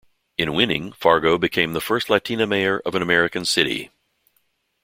In winning, Fargo became the first Latina mayor of an American city.